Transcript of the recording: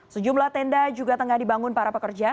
sejumlah tenda juga tengah dibangun para pekerja